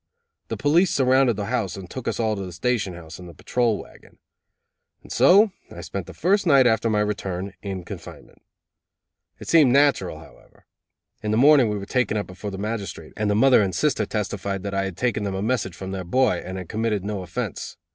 The police surrounded the house and took us all to the station house in the patrol wagon. And so I spent the first night after my return in confinement. It seemed natural, however. In the morning we were taken before the magistrate, and the mother and sister testified that I had taken them a message from their boy, and had committed no offense.